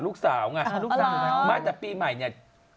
ลูกสาวไงมาตั้งแต่ปีใหม่เนี่ยหล่อ